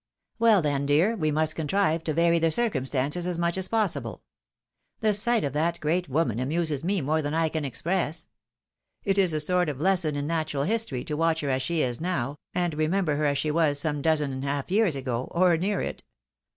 " Well then, dear, we must contrive to vary the circum stances as much as possible. The sight of that great woman amuses me more than I can express. It is a sort of lesson in natural history to watch her as she is now, aijd remember her as she was some dozen and half years ago, or near it.